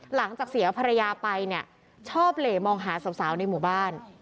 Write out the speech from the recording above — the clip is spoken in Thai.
หลังจากเสียภรรยาไปเนี่ยชอบเหลมองหาสาวในหมู่บ้าน